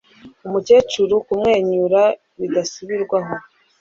Umukecuru kumwenyura bidasubirwaho